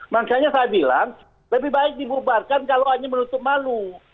makanya saya bilang lebih baik dibubarkan kalau hanya menutup malu